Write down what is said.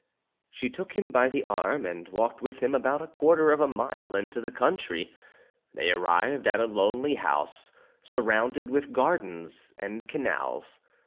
She took him by the arm, and walked with him about a quarter of a mile into the country; they arrived at a lonely house, surrounded with gardens and canals.